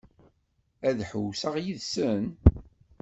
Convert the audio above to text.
Ad ḥewwsen yid-sen?